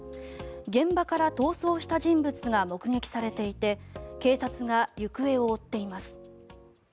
現場から逃走した人物が目撃されていて警察が行方を追っています。